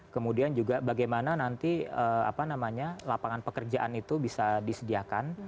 kemudian juga bagaimana nanti apa namanya lapangan pekerjaan itu bisa disiapkan